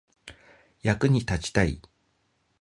役に立ちたい